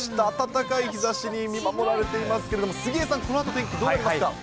暖かい日ざしに見守られていますけれども、杉江さん、このあと天気どうなりますか？